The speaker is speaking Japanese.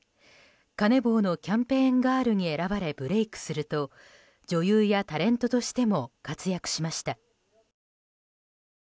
カネボウのキャンペーンガールに選ばれブレークすると女優やタレントとしても活躍しました。